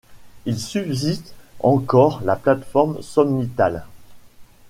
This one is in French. Il subsiste encore la plateforme sommitale.